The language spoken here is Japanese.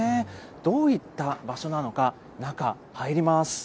どういった場所なのか、中、入ります。